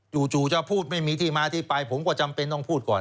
จะพูดไม่มีที่มาที่ไปผมก็จำเป็นต้องพูดก่อน